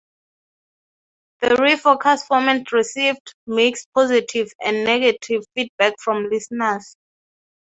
The refocused format received mixed positive and negative feedback from listeners.